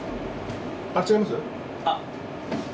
あれ、違います？